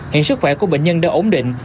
hiện sức khỏe của bệnh nhân đã ổn định